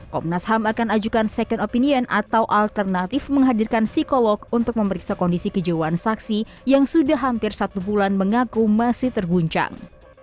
komnas ham akan ajukan second opinion atau alternatif menghadirkan psikolog untuk memeriksa kondisi kejiwaan saksi yang sudah hampir satu bulan mengaku masih terguncang